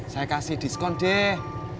saya kasih diskon deh